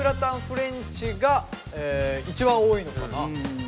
フレンチが一番多いのかな。